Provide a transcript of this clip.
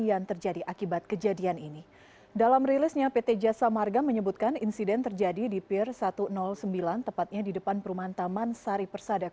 jangan lupa like share dan subscribe ya